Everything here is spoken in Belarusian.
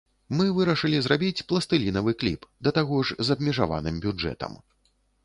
Мы вырашылі зрабіць пластылінавы кліп, да таго ж з абмежаваным бюджэтам.